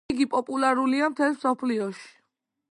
იგი პოპულარულია მთელ მსოფლიოში.